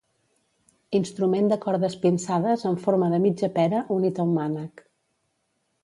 Instrument de cordes pinçades en forma de mitja pera, unit a un mànec.